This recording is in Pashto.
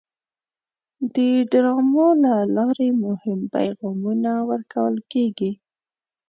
د ډرامو له لارې مهم پیغامونه ورکول کېږي.